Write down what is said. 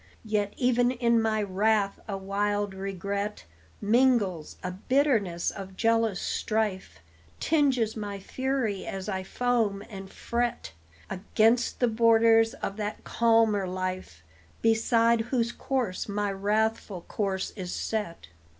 Yet even in my wrath a wild regret Mingles; a bitterness of jealous strife Tinges my fury as I foam and fret Against the borders of that calmer life, Beside whose course my wrathful course is set.